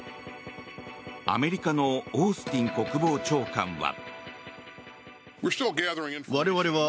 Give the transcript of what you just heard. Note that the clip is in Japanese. アメリカのオースティン国防長官は。